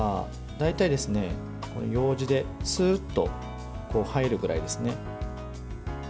大体、ようじでスーッと入るぐらいですね。